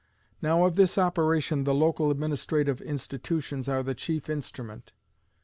Now of this operation the local administrative institutions are the chief instrument.